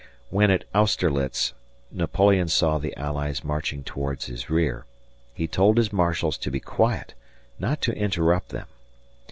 When at Austerlitz Napoleon saw the allies marching towards his rear, he told his marshals to be quiet, not to interrupt them.